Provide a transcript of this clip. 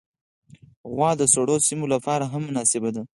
غوا د سړو سیمو لپاره هم مناسبه ده.